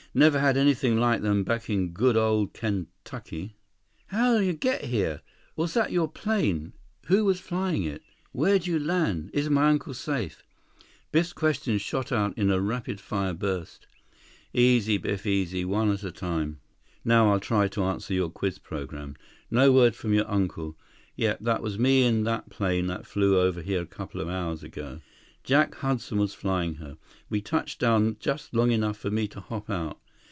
Never had anything like them back in good old Kentucky." "How'd you get here? Was that your plane? Who was flying it? Where'd you land? Is my uncle safe?" Biff's questions shot out in a rapid fire burst. "Easy, Biff. Easy. One at a time. Now I'll try to answer your quiz program. No word from your uncle. Yep, that was me in that plane that flew over here a coupla hours ago. Jack Hudson was flying her. We touched down just long enough for me to hop out.